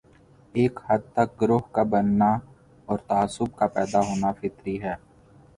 ایک حد تک گروہ کا بننا اور تعصب کا پیدا ہونا فطری ہے۔